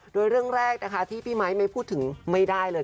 โดยเรื่องแรกนะคะที่พี่ไมค์ไม่พูดถึงไม่ได้เลย